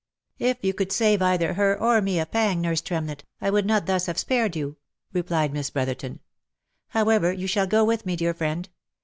" If you could save either her or me a pang, nurse Tremlett, I would not thus have spared you," replied Miss Brotherton. " However, you shall go with me, dear friend.